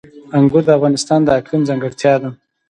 انګور د افغانستان د اقلیم ځانګړتیا ده.